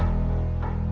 aku mau ke rumah